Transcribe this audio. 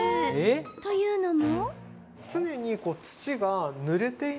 というのも。